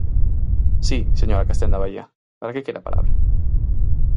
Si, señora Castenda Baía, ¿para que quere a palabra?